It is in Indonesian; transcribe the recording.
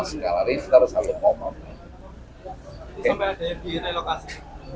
sampai ada yang direlokasi